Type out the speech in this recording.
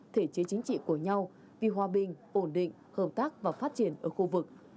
thể chế chính trị của nhau vì hòa bình ổn định hợp tác và phát triển ở khu vực